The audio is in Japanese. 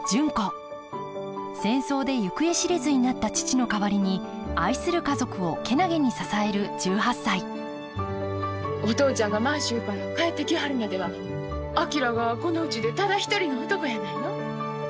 戦争で行方知れずになった父の代わりに愛する家族を健気に支える１８歳お父ちゃんが満州から帰ってきはるまでは昭がこのうちでただ一人の男やないの。